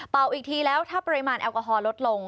อีกทีแล้วถ้าปริมาณแอลกอฮอลลดลง